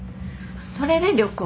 それで旅行。